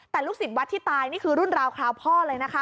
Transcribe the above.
แต่ลูกศิษย์วัดที่ตายนี่คือรุ่นราวคราวพ่อเลยนะคะ